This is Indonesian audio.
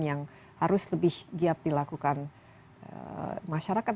yang harus lebih giat dilakukan masyarakat